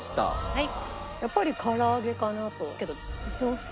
はい。